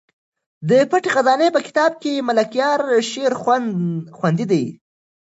د پټې خزانې په کتاب کې د ملکیار شعر خوندي دی.